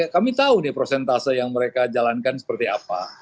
kami tahu nih prosentase yang mereka jalankan seperti apa